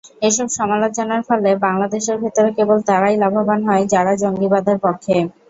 এসব সমালোচনার ফলে বাংলাদেশের ভেতরে কেবল তারাই লাভবান হয়, যারা জঙ্গিবাদের পক্ষে।